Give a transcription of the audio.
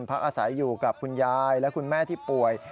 พักอาศัยอยู่กับคุณยายและคุณแม่ที่ป่วย